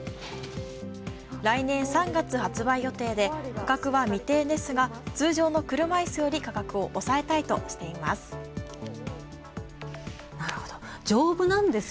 来年３月、発売予定で価格は未定ですが通常の車椅子より価格を抑えたいとしています。